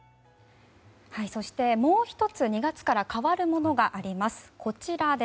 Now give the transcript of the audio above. そして、もう１つ２月から変わるものがあります。